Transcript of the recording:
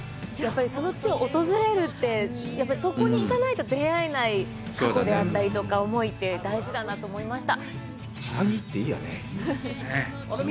その地を訪れるって、やっぱりそこに行かないと出会えない過去であったり思いって大事だなと思いました。